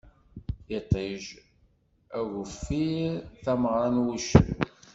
Iṭij, ageffir, d tameɣṛa n wuccen.